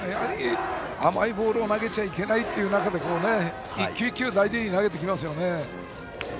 甘いボールを投げちゃいけないという中で１球１球、大事に投げてきますね。